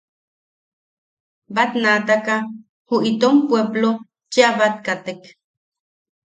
Batnaataka ju itom puepplo cheʼa bat katek.